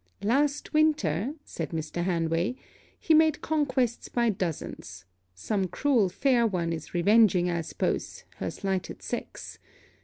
'Last winter,' said Mr. Hanway; 'he made conquests by dozens. Some cruel fair one is revenging, I suppose, her slighted sex.